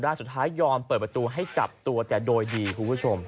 สุดท้ายยอมเปิดประตูให้จับตัวแต่โดยดีคุณผู้ชม